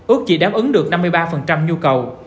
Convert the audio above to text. ước chỉ đáp ứng được năm mươi ba nhu cầu